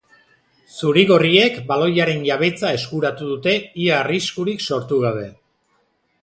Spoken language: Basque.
Zuri-gorriek baloiaren jabetza eskuratu dute, ia arriskurik sortu gabe.